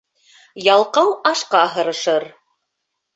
Ялҡау ашҡа һырышыр.